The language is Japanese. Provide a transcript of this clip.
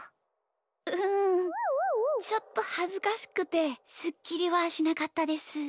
うんちょっとはずかしくてスッキリはしなかったです。